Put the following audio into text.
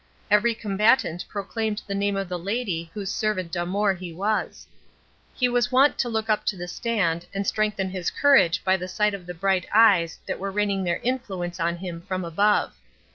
Every combatant proclaimed the name of the lady whose servant d'amour he was. He was wont to look up to the stand, and strengthen his courage by the sight of the bright eyes that were raining their influence on him from above.